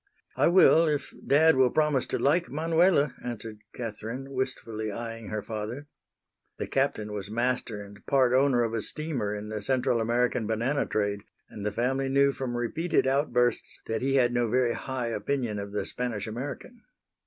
"I will if dad will promise to like Manuela," answered Catherine, wistfully eying her father. The Captain was master and part owner of a steamer in the Central American banana trade, and the family knew from repeated outbursts that he had no very high opinion of the Spanish American.